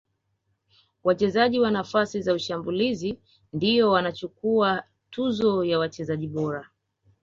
wachezaji wa nafasi za ushambulizi ndiyo wanachukuwa tuzo ya wachezaji bora